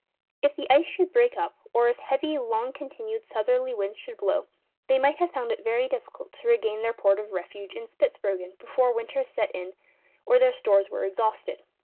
If the ice should break up, or if heavy and long continued southerly winds should blow, they might have found it very difficult to regain their port of refuge in Spitzbergen before winter set in or their stores were exhausted.